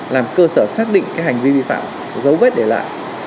làm cơ sở xác định cái hành vi vi phạm dấu vết để lại